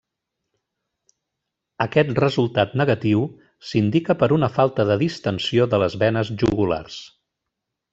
Aquest resultat negatiu s'indica per una falta de distensió de les venes jugulars.